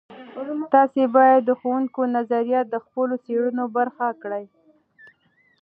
تاسې باید د ښوونکو نظریات د خپلو څیړنو برخه کړئ.